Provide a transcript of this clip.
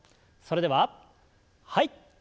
それでははい。